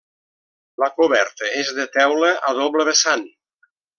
La coberta és de teula a doble vessant.